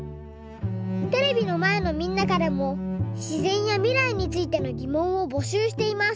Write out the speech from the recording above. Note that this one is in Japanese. テレビのまえのみんなからもしぜんやみらいについてのぎもんをぼしゅうしています。